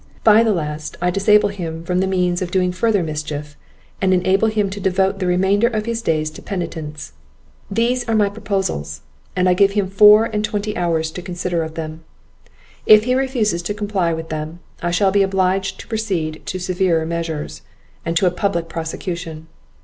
By the last, I disable him from the means of doing further mischief, and enable him to devote the remainder of his days to penitence. These are my proposals, and I give him four and twenty hours to consider of them; if he refuses to comply with them, I shall be obliged to proceed to severer measures, and to a public prosecution.